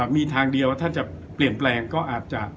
มีทางเดียวถ้าจะเปลี่ยนแปลงก็อาจจะ